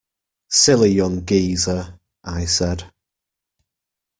"Silly young geezer," I said.